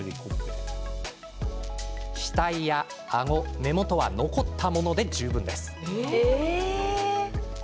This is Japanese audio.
額、あご、目元は残ったもので十分です。